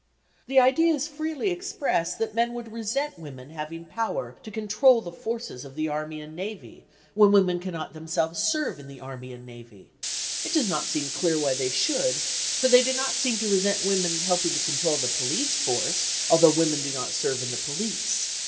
The idea is freely expressed that men would resent women having power to control the forces of the army and navy, when women cannot themselves serve in the army and navy. It does not seem clear why they should, for they do not seem to resent women helping to control the police force, although women do not serve in the police.